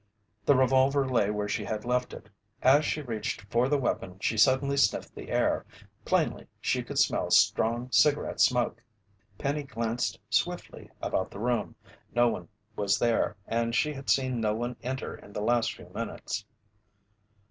The revolver lay where she had left it. As she reached for the weapon, she suddenly sniffed the air. Plainly she could smell strong cigarette smoke. Penny glanced swiftly about the room. No one was there and she had seen no one enter in the last few minutes.